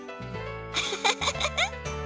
フフフフフ。